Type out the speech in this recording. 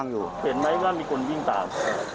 อยู่เห็นไหมว่ามีคนวิ่งตาม